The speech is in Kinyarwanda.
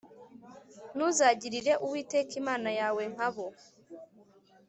Ntuzagirire Uwiteka Imana yawe nka bo